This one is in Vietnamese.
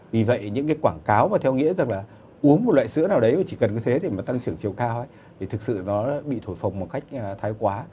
vì vậy những quảng cáo theo nghĩa là uống một loại sữa nào đấy chỉ cần như thế để tăng trưởng chiều cao thì thực sự nó bị thổi phồng bằng cách thái quá